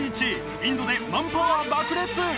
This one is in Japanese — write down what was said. インドでマンパワー爆裂